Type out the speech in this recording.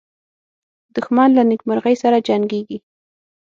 دښمن له نېکمرغۍ سره جنګیږي